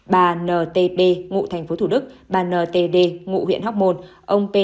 bà n t d ngụ thành phố thủ đức bà n t d ngụ huyện hóc môn